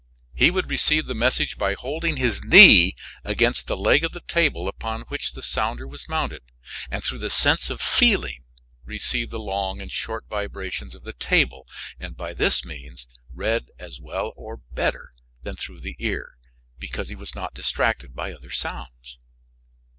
He would receive the message by holding his knee against the leg of the table upon which the sounder was mounted, and through the sense of feeling receive the long and short vibrations of the table, and by this means read as well or better than through the ear, because he was not distracted by other sounds.